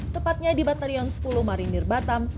tepatnya di batalion sepuluh marinir batam